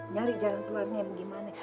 nyari jalan keluarnya gimana